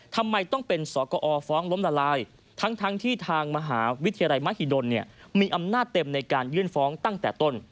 ทำไมต้องเป็นสกอฟ้องล้มละลายทั้งที่ทางมหาวิทยาลัยมหิดลมีอำนาจเต็มในการยื่นฟ้องตั้งแต่ต้น